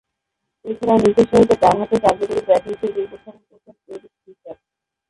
এছাড়াও, নিচেরসারিতে ডানহাতে কার্যকরী ব্যাটিংশৈলী উপস্থাপন করতেন এরিক ফিশার।